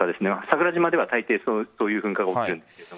桜島では大抵そういう噴火が起きるんです。